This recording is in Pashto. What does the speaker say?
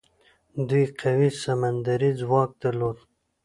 دوی قوي سمندري ځواک درلود.